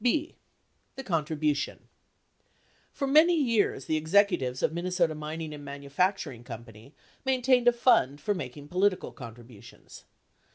95 B. The Contribution For many years the executives of Minnesota Mining and Manu facturing Co. maintained a fund for making political contributions.